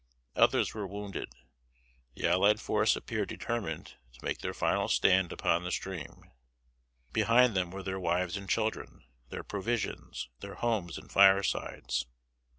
Others were wounded. The allied force appeared determined to make their final stand upon this stream. Behind them were their wives and children, their provisions, their homes and firesides.